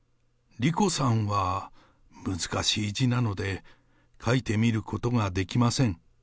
りこさんは難しい字なので、書いてみることができません。